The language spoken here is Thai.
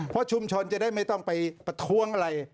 เพราะชุมชนจะได้ไม่ต้องไปประท้วงอะไร